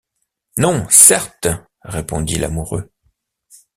Non, certes! répondit l’amoureux.